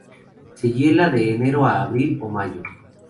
Se hiela de enero a abril o mayo.